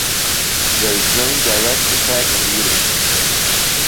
There is no direct effect on the uterus.